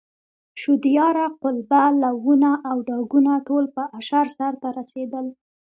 شودیاره، قلبه، لوونه او ډاګونه ټول په اشر سرته رسېدل.